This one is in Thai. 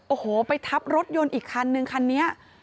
โอ้โหไปทับรถยนต์อีกคันนึงคันนี้